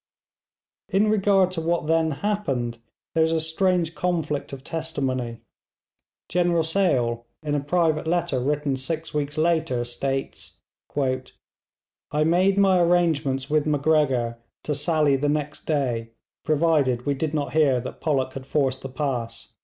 In regard to what then happened there is a strange conflict of testimony. General Sale, in a private letter written six weeks later, states: 'I made my arrangements with Macgregor to sally the next day, provided we did not hear that Pollock had forced the pass.'